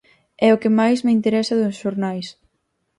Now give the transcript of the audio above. É o que máis me interesa dos xornais.